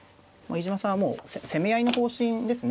飯島さんはもう攻め合いの方針ですね。